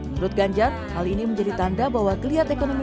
menurut ganjar hal ini menjadi tanda bahwa kelihatan ekonomi